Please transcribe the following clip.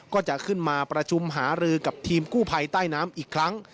ก็จะขึ้นมาประชุมหารือกับทีมกู้ภัยใต้น้ำอีกครั้ง